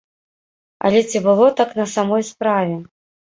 Але ці было так на самой справе?